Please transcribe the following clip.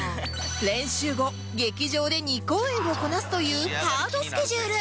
練習後劇場で２公演をこなすというハードスケジュール